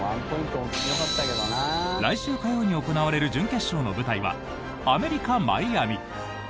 来週火曜に行われる準決勝の舞台はアメリカ・マイアミ。